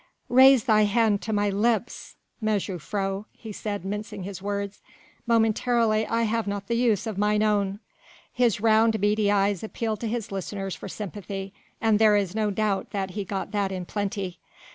"Raise thy hand to my lips, mejuffrouw," he said mincing his words, "momentarily I have not the use of mine own." His round, beady eyes appealed to his listeners for sympathy, and there is no doubt that he got that in plenty.